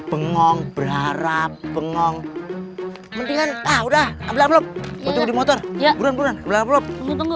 bengong berharap bengong mendingan ah udah ambil ambil ya udah udah blablabla tunggu tunggu